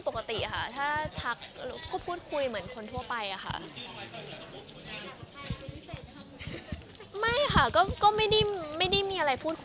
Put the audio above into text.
ปกติอะค่ะพูดคุยแบบเรื่องทั่วไปไม่ได้มีรายละเอียดอะไรพิเศษ